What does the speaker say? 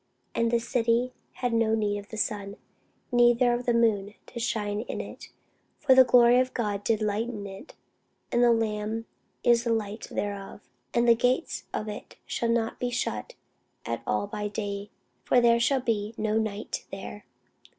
And the city had no need of the sun, neither of the moon, to shine in it: for the glory of God did lighten it, and the Lamb is the light thereof. And the gates of it shall not be shut at all by day: for there shall be no night there.